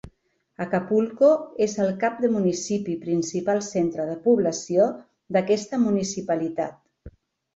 Acapulco és el cap de municipi i principal centre de població d'aquesta municipalitat.